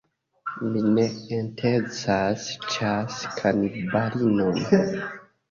Mi ne intencas ĉasi kanibalinon.